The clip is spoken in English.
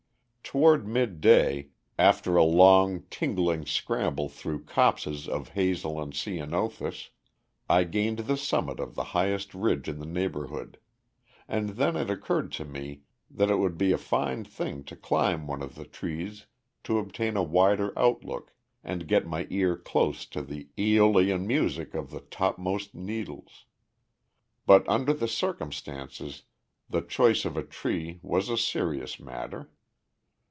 "Toward midday, after a long, tingling scramble through copses of hazel and ceanothus, I gained the summit of the highest ridge in the neighborhood; and then it occurred to me that it would be a fine thing to climb one of the trees to obtain a wider outlook and get my ear close to the Æolian music of the topmost needles. But under the circumstances the choice of a tree was a serious matter.